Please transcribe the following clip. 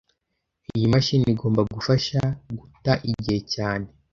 Iyi mashini igomba gufasha guta igihe cyane